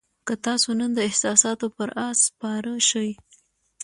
که تاسو نن د احساساتو پر آس سپاره شئ.